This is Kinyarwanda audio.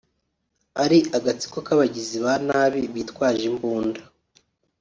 ari “agatsiko k’abagizi ba nabi bitwaje imbunda